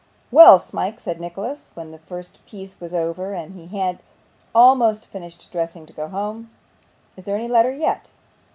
'Well, Smike,' said Nicholas when the first piece was over, and he had almost finished dressing to go home, 'is there any letter yet?